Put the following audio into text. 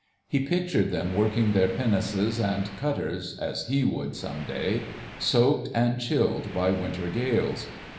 He pictured them working their pinnaces and cutters—as he would some day—soaked and chilled by winter gales.